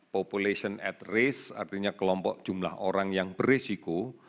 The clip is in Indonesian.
population at risk artinya kelompok jumlah orang yang berisiko